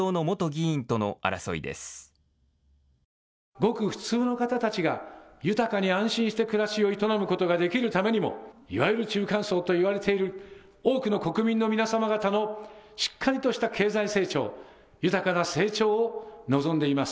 ごく普通の方たちが豊かに安心して暮らしを営むことができるためにも、いわゆる中間層と言われている多くの国民の皆様方のしっかりとした経済成長、豊かな成長を望んでいます。